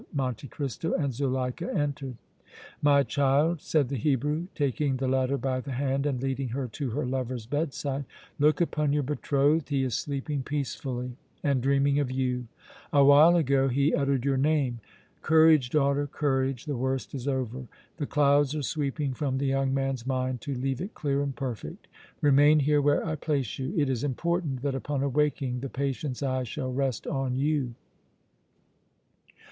Monte Cristo and Zuleika entered. "My child," said the Hebrew, taking the latter by the hand and leading her to her lover's bedside, "look upon your betrothed! He is sleeping peacefully and dreaming of you! Awhile ago he uttered your name! Courage, daughter, courage! The worst is over! The clouds are sweeping from the young man's mind to leave it clear and perfect! Remain here where I place you! It is important that upon awaking the patient's eyes shall rest on you!"